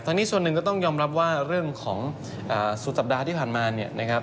นี้ส่วนหนึ่งก็ต้องยอมรับว่าเรื่องของสุดสัปดาห์ที่ผ่านมาเนี่ยนะครับ